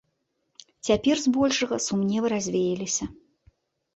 Цяпер збольшага сумневы развеяліся.